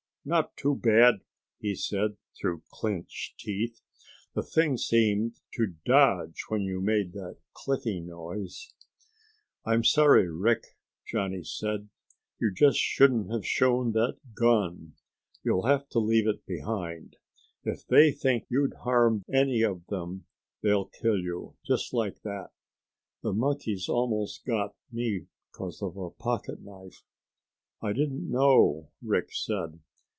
"Not too bad," he said through clenched teeth. "The thing seemed to dodge when you made that clicking noise." "I'm sorry, Rick," Johnny said. "You just shouldn't have shown that gun you'll have to leave it behind. If they think you'd harm any of them, they'll kill you, just like that. The monkeys almost got me 'cause of a pocket knife." "I didn't know," Rick said.